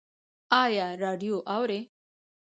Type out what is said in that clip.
ایا راډیو اورئ؟